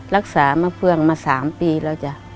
รักษามะเฟืองมา๓ปีแล้วจ้ะ